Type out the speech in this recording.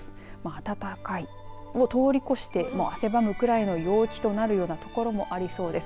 暖かいを通り越して汗ばむくらいの陽気となるような所もありそうです。